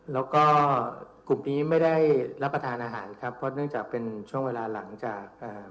และกลุ่มนี้ไม่ได้รับประทานอาหารครับเพราะนั่งจะมืเชิงเวลาหลังจาก